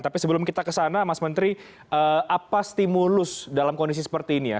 tapi sebelum kita ke sana mas menteri apa stimulus dalam kondisi seperti ini ya